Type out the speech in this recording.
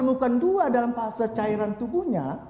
yang menurutkan dua dalam fase cairan tubuhnya